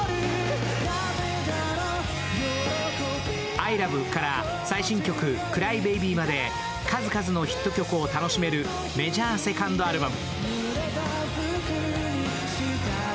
「ＩＬＯＶＥ．．．」から最新曲「ＣｒｙＢａｂｙ」まで数々のヒット曲を楽しめるメジャーセカンドアルバム。